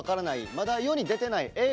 まだ世に出てないＡぇ！